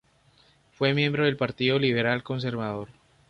Fue miembro del Partido Liberal-Conservador.